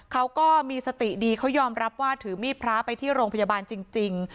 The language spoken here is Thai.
เขาก็มีสติดีเขายอมรับว่าถือมีดพระไปที่โรงพยาบาลจริง